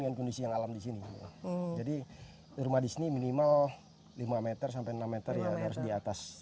dengan kondisi yang alam di sini jadi rumah di sini minimal lima m sampai enam meter ya harus di atas